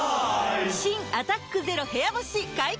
新「アタックＺＥＲＯ部屋干し」解禁‼